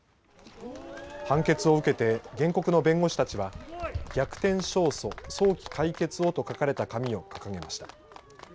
判決を受けて原告の弁護士たちは逆転勝訴、早期解決をと書かれた紙を掲げました。